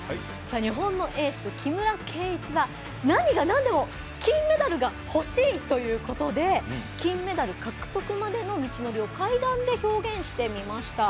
日本のエース、木村敬一は何がなんでも金メダルが欲しいということで金メダル獲得までの道のりを階段で表現してみました。